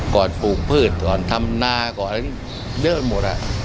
ก่อนฟูมพืชก่อนทำนาก่อนอะไรอย่างนี้เยอะหมดอ่ะ